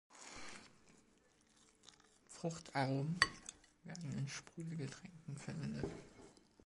Fruchtaromen werden in Sprudelgetränken verwendet.